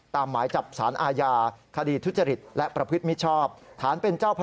ตามหมายจับสารอาญาคดีทุจริตและประพฤติมิชชอบ